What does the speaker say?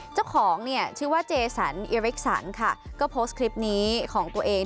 เจ้าของเนี่ยชื่อว่าเจสันอิเล็กสันค่ะก็โพสต์คลิปนี้ของตัวเอง